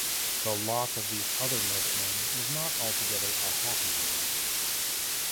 The lot of these other milkmen is not altogether a happy one.